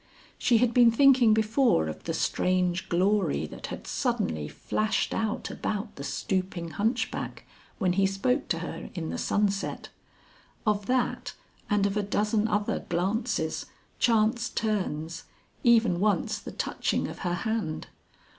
She had been thinking before of the strange glory that had suddenly flashed out about the stooping hunchback when he spoke to her in the sunset; of that and of a dozen other glances, chance turns, even once the touching of her hand.